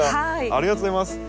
ありがとうございます！